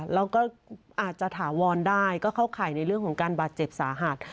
แล้วก็อาจจะถาวรได้ก็เข้าข่ายในเรื่องของการบาดเจ็บสาหัส